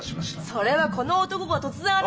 それはこの男が突然現れ。